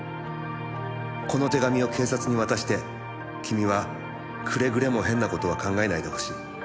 「この手紙を警察に渡して君はくれぐれも変な事は考えないでほしい」